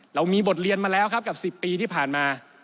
เรามีบทเรียนมาแล้วครับกับ๑๐ปีที่ผ่านมา